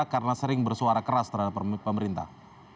karena sering bersuara keras terhadap pemerintah